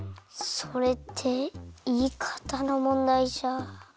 それっていいかたのもんだいじゃ。